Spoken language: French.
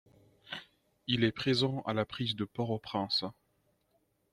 Il est présent à la prise de Port-au-Prince.